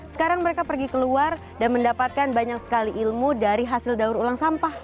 sekarang mereka pergi keluar dan mendapatkan banyak sekali ilmu dari hasil daur ulang sampah